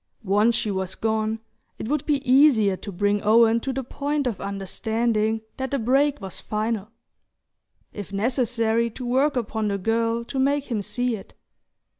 Once she was gone, it would be easier to bring Owen to the point of understanding that the break was final; if necessary, to work upon the girl to make him see it.